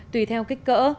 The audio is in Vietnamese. tùy theo kích cỡ